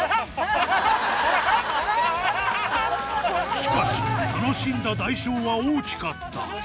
しかし、楽しんだ代償は大きかった。